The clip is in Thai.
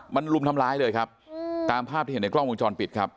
มันลุมทำร้ายเลยครับตามภาพที่เห็นในกล้องวงจรปิดครับ